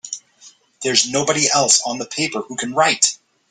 There's nobody else on the paper who can write!